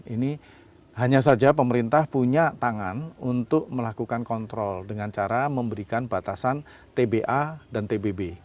ini hanya saja pemerintah punya tangan untuk melakukan kontrol dengan cara memberikan batasan tba dan tbb